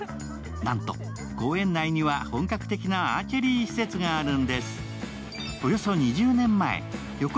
なんと公園内には本格的なアーチェリー施設があるんです。